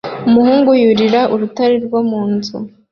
Umuhungu yurira urutare rwo mu nzu